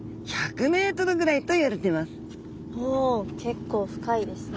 おお結構深いですね。